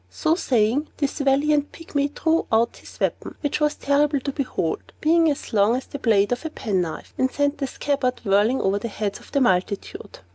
So saying, this valiant Pygmy drew out his weapon (which was terrible to behold, being as long as the blade of a penknife), and sent the scabbard whirling over the heads of the multitude.